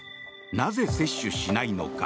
なぜ、接種しないのか。